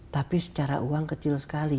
tapi secara uang kecil sekali